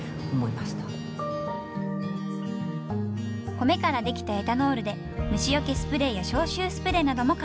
米から出来たエタノールで虫よけスプレーや消臭スプレーなども開発。